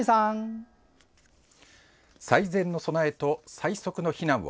「最善の備えと最速の避難を」。